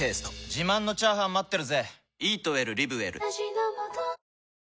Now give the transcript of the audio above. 自慢のチャーハン待ってるぜ！